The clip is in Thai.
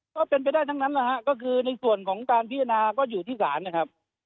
ก็เป็นไปได้ทั้งนั้นนะฮะก็คือในส่วนของการพิจารณาก็อยู่ที่ศาลนะครับ